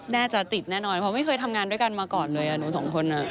น่าจะติดแน่นอนเพราะไม่เคยทำงานด้วยกันมาก่อนเลยหนูสองคน